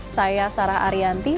saya sarah arianti